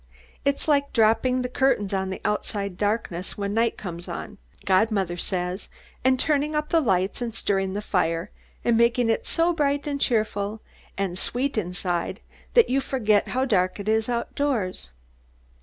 It's like dropping the curtains on the outside darkness when night comes on, godmother says, and turning up the lights and stirring the fire, and making it so bright and cheerful and sweet inside that you forget how dark it is outdoors.